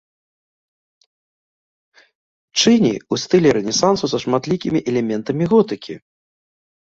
Чыні ў стылі рэнесансу са шматлікімі элементамі готыкі.